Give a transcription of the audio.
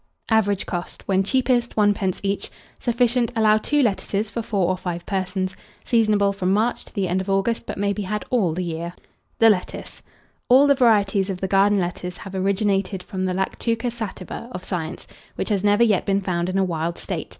Average cost, when cheapest, 1d. each. Sufficient. Allow 2 lettuces for 4 or 5 persons. Seasonable from March to the end of August, but may be had all the year. [Illustration: LETTUCE.] THE LETTUCE. All the varieties of the garden lettuce have originated from the Lactuca sativa of science, which has never yet been found in a wild state.